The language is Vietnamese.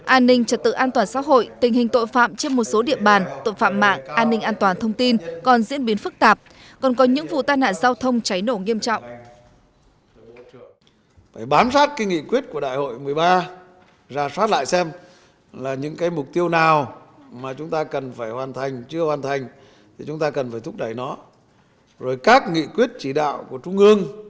an ninh trật tự an toàn xã hội tình hình tội phạm trên một số địa bàn tội phạm mạng an ninh an toàn thông tin còn diễn biến phức tạp còn có những vụ tai nạn giao thông cháy nổ nghiêm trọng